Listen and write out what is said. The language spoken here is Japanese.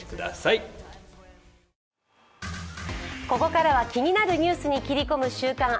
ここからは気になるニュースに切り込む「週刊！